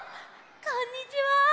こんにちは！